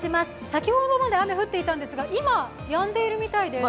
先ほどまで雨降っていたんですが今、やんでいるみたいです。